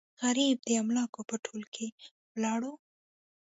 غریب د املوکو په تول کې ولاړو.